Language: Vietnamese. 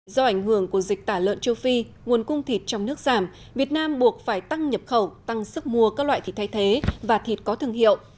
do ảnh hưởng của dịch tả lợn châu phi nguồn cung thịt trong nước giảm việt nam buộc phải tăng nhập khẩu tăng sức mua các loại thịt thay thế và thịt có thương hiệu